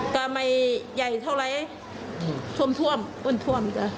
ก็ไม่ใหญ่เท่าไรอืมทวมทวมอุ้นทวมค่ะ